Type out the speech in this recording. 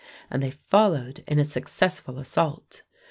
and they followed in a successful assault.